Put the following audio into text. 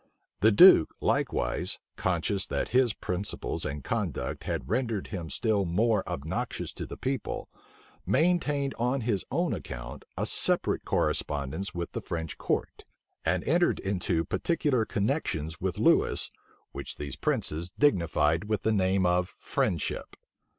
The duke likewise, conscious that his principles and conduct had rendered him still more obnoxious to the people, maintained on his own account a separate correspondence with the French court, and entered into particular connections with Lewis, which these princes dignified with the name of friendship.